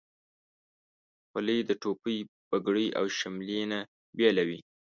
خولۍ د ټوپۍ، پګړۍ، او شملې نه بیله وي.